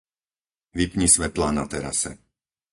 Vypni svetlá na terase.